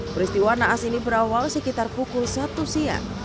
peristiwa naas ini berawal sekitar pukul satu siang